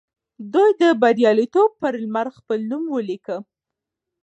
دوی د بریالیتوب پر لمر خپل نوم ولیکه.